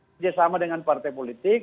bersama dengan partai politik